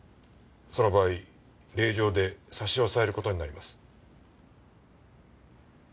その場合令状で差し押さえる事になります。